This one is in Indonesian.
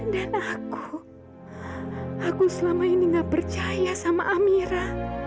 dan aku aku selama ini gak percaya sama amira